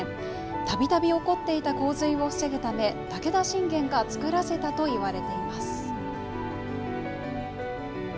たびたび起こっていた洪水を防ぐため、武田信玄が作らせたと言われています。